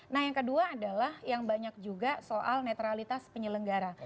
nah yang kedua adalah yang banyak juga soal netralitas penyelenggara